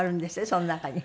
その中に。